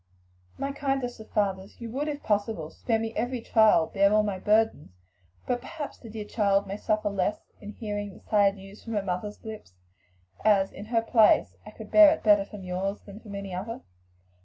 "My kindest of fathers! you would if possible spare me every trial, bear all my burdens. But perhaps the dear child may suffer less in hearing the sad news from her mother's lips, as, in her place, I could bear it better from yours than from any other."